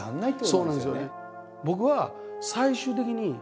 そうなんですよね。